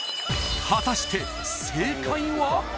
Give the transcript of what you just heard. ［果たして正解は？］